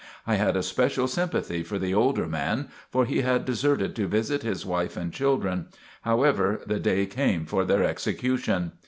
I had a special sympathy for the older man, for he had deserted to visit his wife and children. However, the day came for their execution.